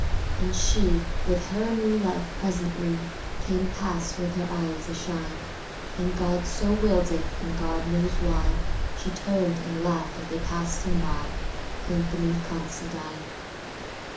And she, with her new love, presently Came past with her eyes ashine; And God so willed it, and God knows why, She turned and laughed as they passed him by Anthony Considine.